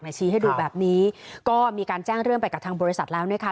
ชี้ให้ดูแบบนี้ก็มีการแจ้งเรื่องไปกับทางบริษัทแล้วนะคะ